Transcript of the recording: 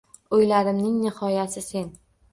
Oʼylarimning nihoyasi sen